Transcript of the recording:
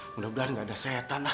mudah mudahan nggak ada setan ah